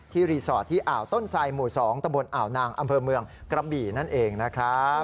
รีสอร์ทที่อ่าวต้นไซหมู่๒ตะบนอ่าวนางอำเภอเมืองกระบี่นั่นเองนะครับ